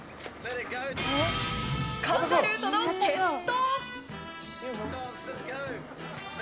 カンガルーとの決闘！